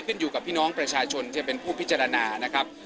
อยู่กับพี่น้องประชาชนจะเป็นผู้พิจารณานะครับ